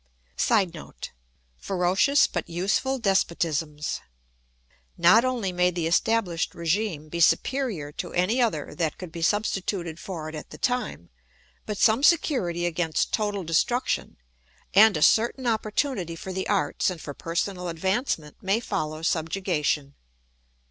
[Sidenote: Ferocious but useful despotisms.] Not only may the established régime be superior to any other that could be substituted for it at the time, but some security against total destruction, and a certain opportunity for the arts and for personal advancement may follow subjugation.